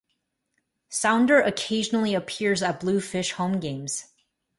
Sounder occasionally appears at Bluefish home games.